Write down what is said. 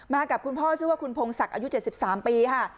มากับคุณพ่อชื่อว่าคุณพงศักดิ์อายุเจ็ดสิบสามปีค่ะ